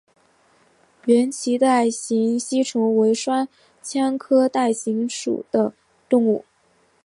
圆腺带形吸虫为双腔科带形属的动物。